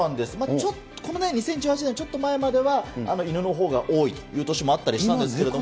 ちょっと、この２０１８年、ちょっと前まではイヌのほうが多いという年もあったりしたんですけれども。